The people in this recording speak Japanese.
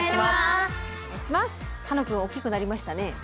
楽くん大きくなりましたね。